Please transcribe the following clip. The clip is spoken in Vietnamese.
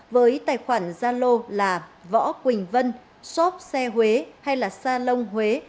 với tài khoản gia lô là võ quỳnh vân shop xe huế hay salon huế